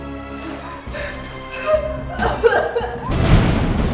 tuh tuh tuh